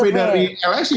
survei dari lsi